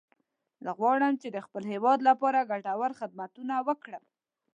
زه غواړم چې د خپل هیواد لپاره ګټور خدمتونه وکړم